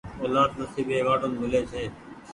اولآد نسيبي وآڙون ميلي ڇي۔